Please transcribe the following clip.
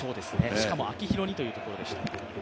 しかも秋広にという話でした。